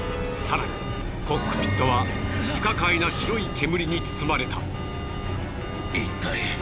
更にコックピットは不可解な白い煙に包まれた。